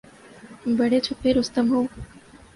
بڑے چھپے رستم ہو